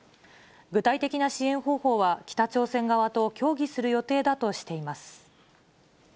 具体的な支援方法は北朝鮮側と協議する予定だとしています。